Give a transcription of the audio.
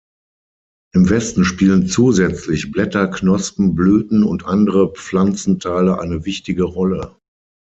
Im Westen spielen zusätzlich Blätter, Knospen, Blüten und andere Pflanzenteile eine wichtige Rolle.